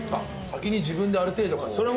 先に自分である程度こう。